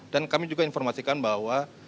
dan kami juga informasikan bahwa